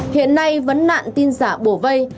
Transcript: hiện nay vấn nạn tin giả bổ vây